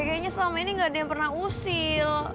kayaknya selama ini gak ada yang pernah usil